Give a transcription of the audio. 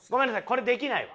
これできないわ。